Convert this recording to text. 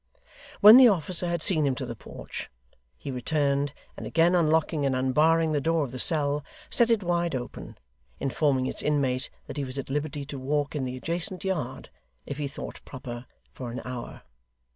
When the officer had seen him to the porch, he returned, and again unlocking and unbarring the door of the cell, set it wide open, informing its inmate that he was at liberty to walk in the adjacent yard, if he thought proper, for an hour.